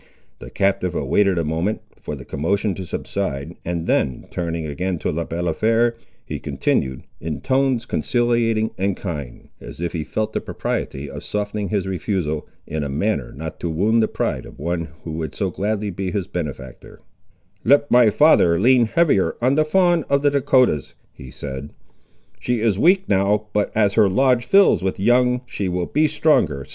The captive awaited a moment, for the commotion to subside, and then turning again to Le Balafré, he continued, in tones conciliating and kind, as if he felt the propriety of softening his refusal, in a manner not to wound the pride of one who would so gladly be his benefactor— "Let my father lean heavier on the fawn of the Dahcotahs," he said: "she is weak now, but as her lodge fills with young, she will be stronger.